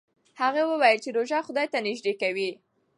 هغه وویل چې روژه خدای ته نژدې کوي.